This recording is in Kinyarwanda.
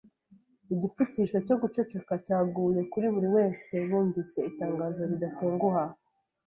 Igipfukisho cyo guceceka cyaguye kuri buri wese bumvise itangazo ridatenguha